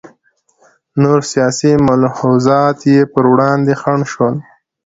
نور سیاسي ملحوظات یې پر وړاندې خنډ شول.